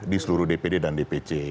di seluruh dpd dan dpc